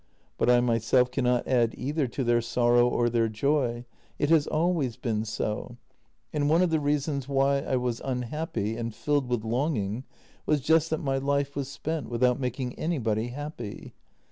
But I myself cannot add either to their sorrow or their joy — it has always been so, and one of the reasons why I was unhappy and filled with longing was just that my life was spent without making anybody happy.